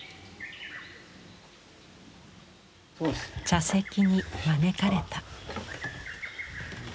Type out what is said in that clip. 茶席に招かれた。